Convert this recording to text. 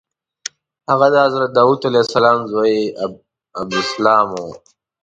هغه د حضرت داود علیه السلام زوی ابسلام و.